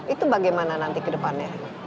itu bagaimana nanti ke depannya